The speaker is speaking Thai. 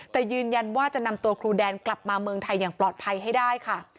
แต่ยืนยันว่าจะนำตัวครูแดนกลับมาเมืองไทยอย่างปลอดภัยให้ได้ค่ะ